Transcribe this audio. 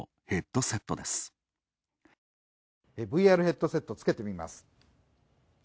ＶＲヘッドセットをつけてみます。